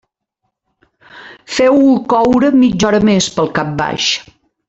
Feu-ho coure mitja hora més, pel cap baix.